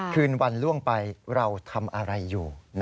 คืนวันล่วงไปเราทำอะไรอยู่